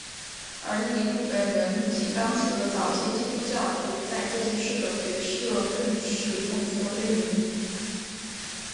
而尼禄本人及当时的早期基督教徒在这件事的角色更是众说纷纭。